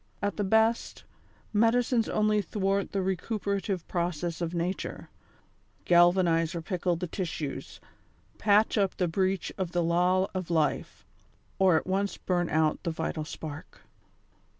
At the best, medicines only thwart the recupera tive process of nature ; galvanize or pickle the tissues ; patch up the breach of the law of life, or at once burn out the vital spark.